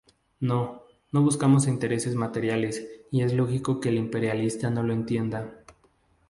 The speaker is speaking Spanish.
No, no buscamos intereses materiales y es lógico que el imperialista no lo entienda.